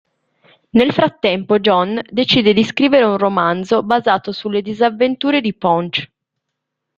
Nel frattempo Jon decide di scrivere un romanzo basato sulle disavventure di Ponch.